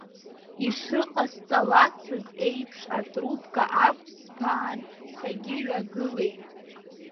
Ишыҟасҵалацыз еиԥш атрубка аақәсԥаан, сагьыҩагылеит.